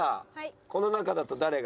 この中だと誰が？